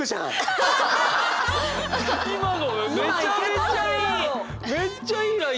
今のめちゃめちゃいいよ。